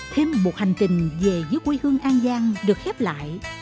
thêm một hành trình về giữa quê hương an giang được khép lại